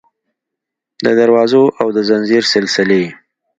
د دروازو او د ځنځیر سلسلې